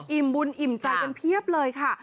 บุญอิ่มใจกันเพียบเลยค่ะ